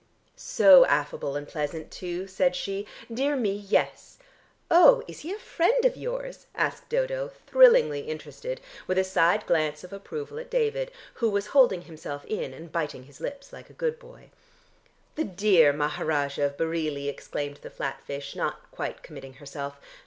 "So affable and pleasant too," said she. "Dear me, yes!" "Oh, is he a friend of yours?" asked Dodo, thrillingly interested, with a side glance of approval at David, who was holding himself in, and biting his lips like a good boy. "The dear Maharajah of Bareilly!" exclaimed the flat fish, not quite committing herself.